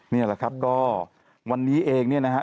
นี่แหละครับก็วันนี้เองเนี่ยนะฮะ